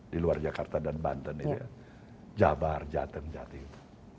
di luar jakarta dan banten ini ya jabar jateng jatim